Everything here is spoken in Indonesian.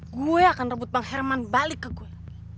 gue akan rebut bang herman balik ke gue